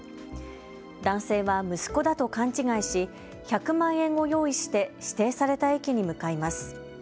男性は息子だと勘違いし１００万円を用意して指定された駅に向かいます。